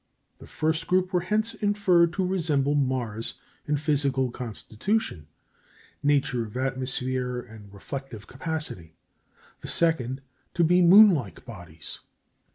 The first group were hence inferred to resemble Mars in physical constitution, nature of atmosphere, and reflective capacity; the second to be moon like bodies.